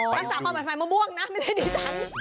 รักษาความปลอดภัยมะม่วงนะไม่ใช่ดิฉัน